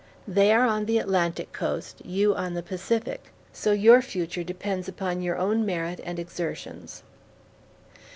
They are on the Atlantic coast, you on the Pacific; so your future depends upon your own merit and exertions."